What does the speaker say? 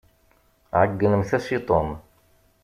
Ɛeyynemt-as i Tom.